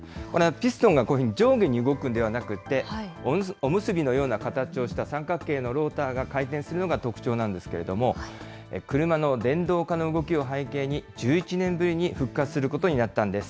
ピストンがこういうふうに上下に動くんではなくて、おむすびのような形をした三角形のローターが回転するのが特徴なんですけれども、車の電動化の動きを背景に、１１年ぶりに復活することになったんです。